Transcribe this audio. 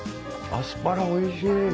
アスパラおいしい！